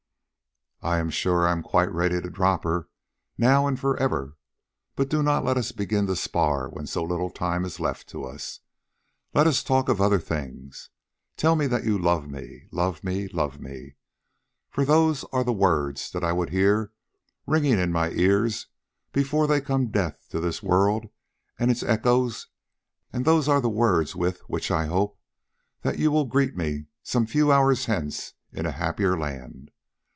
"I am sure that I am quite ready to drop her now and for ever. But do not let us begin to spar when so little time is left to us. Let us talk of other things. Tell me that you love me, love me, love me, for those are the words that I would hear ringing in my ears before they become deaf to this world and its echoes, and those are the words with which I hope that you will greet me some few hours hence and in a happier land.